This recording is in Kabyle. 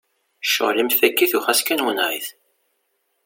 Cɣel-im fak-it u xas kan wenneɛ-it!